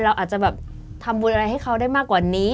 เราอาจจะแบบทำบุญอะไรให้เขาได้มากกว่านี้